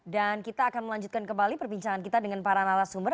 dan kita akan melanjutkan kembali perbincangan kita dengan para anala sumber